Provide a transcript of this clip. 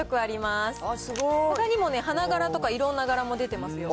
すごい。ほかにも花柄とかいろんな柄も出てますよ。